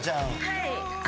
はい。